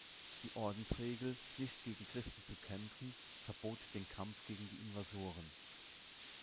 Die Ordensregel, nicht gegen Christen zu kämpfen, verbot den Kampf gegen die Invasoren.